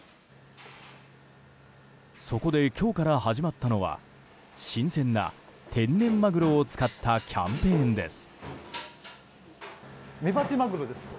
そこで今日から始まったのは新鮮な天然まぐろを使ったキャンペーンです。